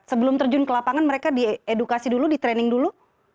atau mau tujuan ke lapangan mereka di edukasi dulu di training dulu